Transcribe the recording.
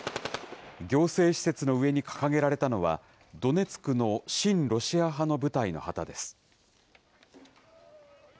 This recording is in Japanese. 行政施設の上に掲げられたのは、ドネツクの親ロシア派の部隊の旗です。